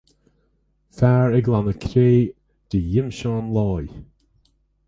Fear ag glanadh cré de ghimseán láí.